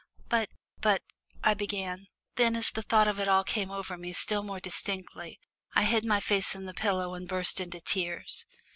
"But but," I began; then as the thought of it all came over me still more distinctly I hid my face in the pillow and burst into tears.